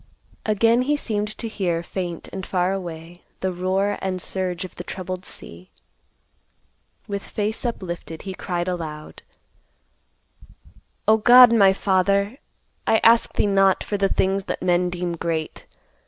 Again he seemed to hear, faint and far away, the roar and surge of the troubled sea. With face uplifted, he cried aloud, "O God, my Father, I ask thee not for the things that men deem great.